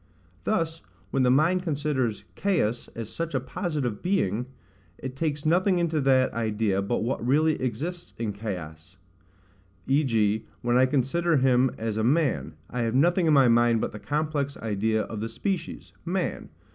Thus, when the mind considers Caius as such a positive being, it takes nothing into that idea but what really exists in Caius; v.g. when I consider him as a man, I have nothing in my mind but the complex idea of the species, man.